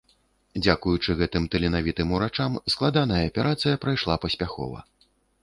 Дзякуючы гэтым таленавітым урачам, складаная аперацыя прайшла паспяхова.